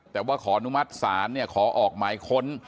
แต่ว่าขออนุมัติศาลขอออกหมายค้น